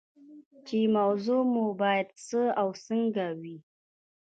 چې موضوع مو باید څه او څنګه وي.